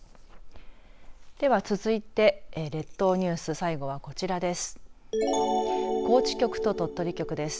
では続いて列島ニュース最後はこちらです。